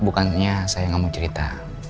bukannya saya nggak mau cerita